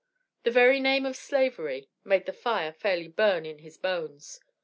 The very name of Slavery, made the fire fairly burn in his bones.